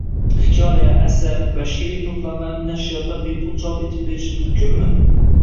Hikoya, asar va she’riy to’plamlarni nashriyotlar bepul chop etib berishi mumkinmi?